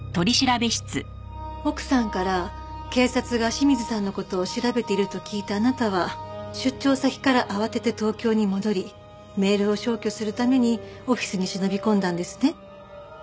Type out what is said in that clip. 奥さんから警察が清水さんの事を調べていると聞いたあなたは出張先から慌てて東京に戻りメールを消去するためにオフィスに忍び込んだんですね。